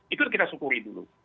itu kita syukuri dulu